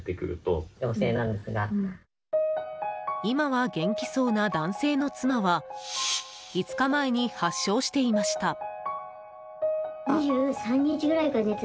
今は元気そうな男性の妻は５日前に発症していました。